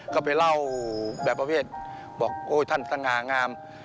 ก็ไปเล่าแบบประเภทบอกโอ้ยท่านสง่างาม